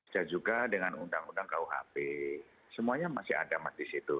saya juga dengan undang undang kuhp semuanya masih ada mas di situ